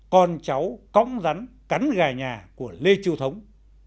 con cháu cõng rắn cắn gà nhà của lê chu thống